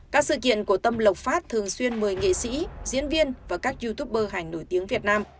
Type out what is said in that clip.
các sự kiện của tâm lộc phát thường xuyên mời nghệ sĩ diễn viên và các youtube bơ hành nổi tiếng việt nam